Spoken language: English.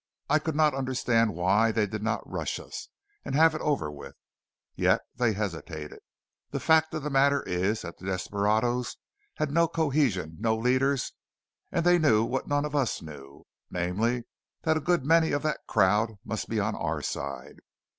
I could not understand why they did not rush us and have it over with. Yet they hesitated. The fact of the matter is that the desperadoes had no cohesion, no leaders; and they knew what none of us knew namely, that a good many of that crowd must be on our side.